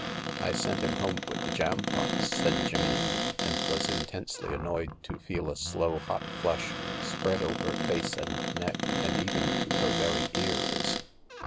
"I sent him home with the jampots," said Jane, and was intensely annoyed to feel a slow, hot flush spread over face 88 THE LARK and iteck, and even to her very eats.